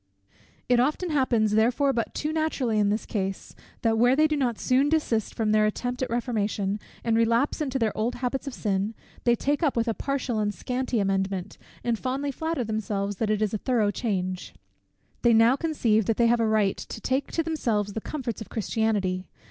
It often happens therefore but too naturally in this case, that where they do not soon desist from their attempt at reformation, and relapse into their old habits of sin; they take up with a partial and scanty amendment, and fondly flatter themselves that it is a thorough change. They now conceive that they have a right to take to themselves the comforts of Christianity.